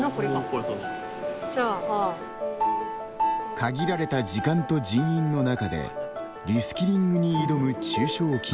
限られた時間と人員の中でリスキリングに挑む中小企業。